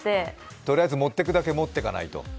とりあえず持っていくだけ持ってかないと。